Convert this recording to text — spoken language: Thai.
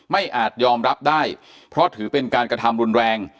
อาจยอมรับได้เพราะถือเป็นการกระทำรุนแรง